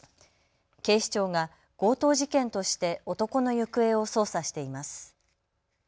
警視庁が強盗事件として男の行方を捜査しています。